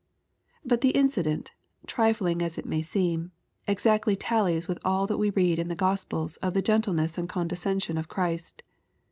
But the incident, trifling as it may seem, exactly tallies with all that we read in the Gospels of the gentleness and condescension of Christ.